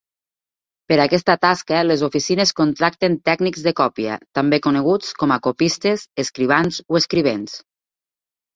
Per aquesta tasca les oficines contracten tècnics de còpia, també coneguts com a copistes, escrivans o escrivents.